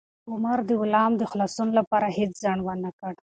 عمر د غلام د خلاصون لپاره هیڅ ځنډ ونه کړ.